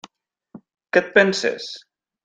Què et penses?